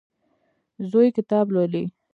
زوی کتاب لولي.